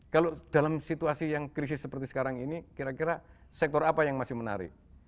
kalau dalam situasi yang krisis seperti sekarang ini kira kira sektor apa yang masih menarik